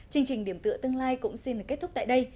chương trình điểm tựa tương lai cũng xin được kết thúc tại đây